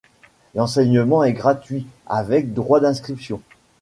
L'enseignement est gratuit avec droit d'inscription.